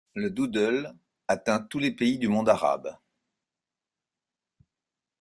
Le Doodle atteint tous les pays du monde arabe.